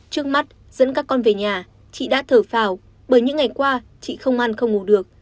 trước mắt dẫn các con về nhà chị đã thở phào bởi những ngày qua chị không ăn không ngủ được